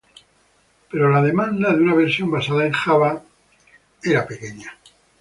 Pero la demanda de una versión basada en Java era pequeña.